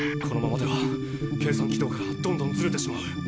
このままでは計算軌道からどんどんずれてしまう。